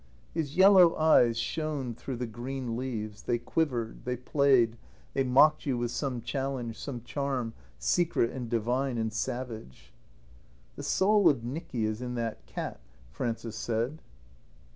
His yellow eyes shone through the green leaves; they quivered; they played; they mocked you with some challenge, some charm, secret and divine and savage. "The soul of Nicky is in that cat," Frances said.